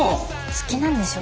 好きなんでしょ？